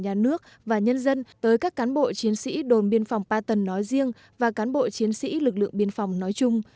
nhà nước và nhân dân tới các cán bộ chiến sĩ đồn biên phòng ba tầng nói riêng và cán bộ chiến sĩ lực lượng biên phòng nói chung